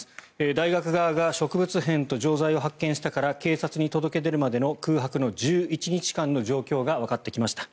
大学側が植物片と錠剤を発見してから警察に届け出るまでの空白の１１日間の状況がわかってきました。